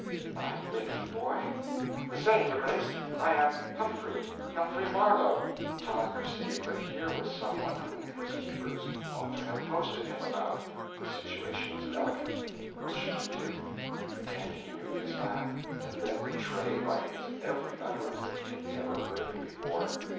"My whipping boy?" "The same, your Grace. I am Humphrey Humphrey Marlow." Tom perceived that here was someone whom his keepers ought to have posted him about. The situation was delicate. What should he do? pretend he knew this lad, and then betray by his every utterance that he had never heard of him before?